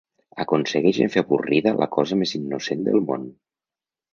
Aconsegueixen fer avorrida la cosa més innocent del món.